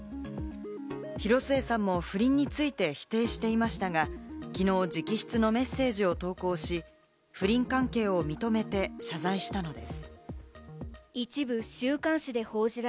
広末さんも不倫について否定していましたが、きのう直筆のメッセージを投稿し、不倫関係を認めて謝罪したのです。